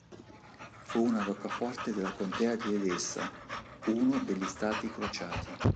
Fu una roccaforte della Contea di Edessa, uno degli stati crociati.